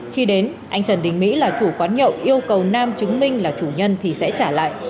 khi đến anh trần đình mỹ là chủ quán nhậu yêu cầu nam chứng minh là chủ nhân thì sẽ trả lại